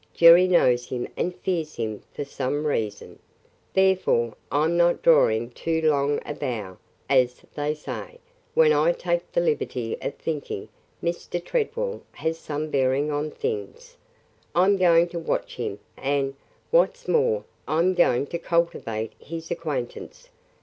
Jerry knows him and fears him for some reason. Therefore, I 'm not drawing too long a bow, as they say, when I take the liberty of thinking Mr. Tredwell has some bearing on things. I 'm going to watch him and, what 's more, I 'm going to cultivate his acquaintance.